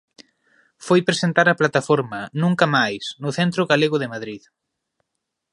Foi presentar a plataforma Nunca Máis no Centro galego de Madrid.